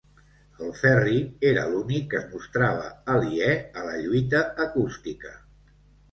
El Ferri era l'únic que es mostrava aliè a la lluita acústica.